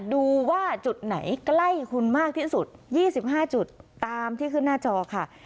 ดูว่าจุดไหนใกล้คุณมากที่สุด๒๕จุดตามที่ขึ้นหน้าจอค่ะ